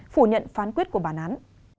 phủ nhận phán quyết của bàn án